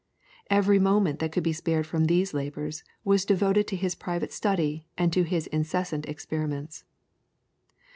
Every moment that could be spared from these labours was devoted to his private study and to his incessant experiments.